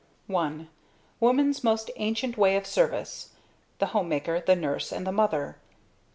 I. _Woman's most ancient way of service the home maker, the nurse, and the mother.